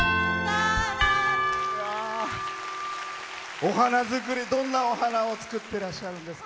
お花作り、どんなお花を作ってらっしゃるんですか？